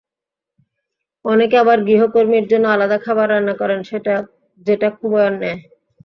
অনেকে আবার গৃহকর্মীর জন্য আলাদা খাবার রান্না করেন, যেটা খুবই অন্যায়।